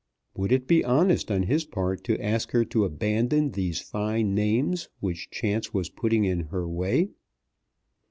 Would it be honest on his part to ask her to abandon these fine names which Chance was putting in her way?